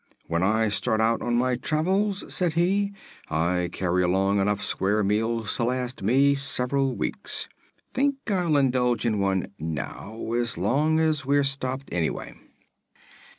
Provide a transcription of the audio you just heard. "When I start out on my travels," said he, "I carry along enough square meals to last me several weeks. Think I'll indulge in one now, as long as we're stopping anyway."